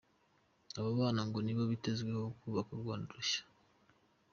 Aba bana ngo nibo bitezweho kubaka u Rwanda rushya.